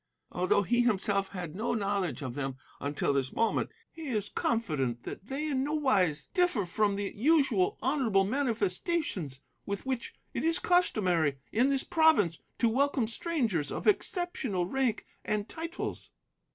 'Although he himself had no knowledge of them until this moment, he is confident that they in no wise differ from the usual honourable manifestations with which it is customary in this Province to welcome strangers of exceptional rank and titles.